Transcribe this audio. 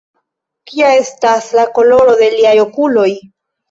Kia estas la koloro de liaj okuloj?